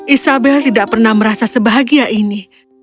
isabel tidak pernah merasa sebahagia ini